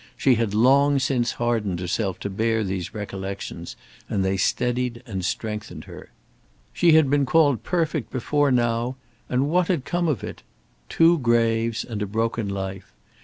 She had long since hardened herself to bear these recollections, and they steadied and strengthened her. She had been called perfect before now, and what had come of it? Two graves, and a broken life!